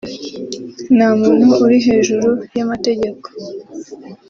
nta muntu uri hejuru y’amategeko